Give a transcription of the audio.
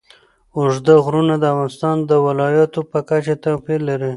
اوږده غرونه د افغانستان د ولایاتو په کچه توپیر لري.